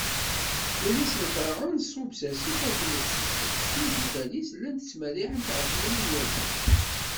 Yelli-s n Ferɛun tṣubb s asif akken Ad tcucef, timeddukal-is llant ttmerriḥent ɣef yiri n wasif.